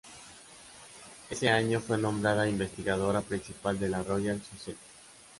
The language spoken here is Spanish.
Ese año, fue nombrada investigadora principal de la Royal Society.